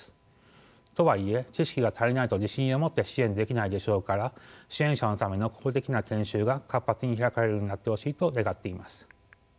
とはいえ知識が足りないと自信を持って支援できないでしょうから支援者のための公的な研修が活発に開かれるようになってほしいと願っています。